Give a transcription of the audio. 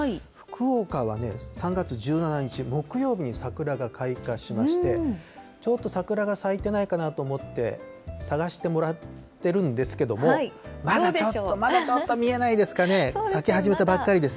福岡は３月１７日木曜日に桜が開花しまして、ちょっと桜が咲いてないかなと思って探してもらってるんですけれども、まだちょっと、ちょっと見えないですかね。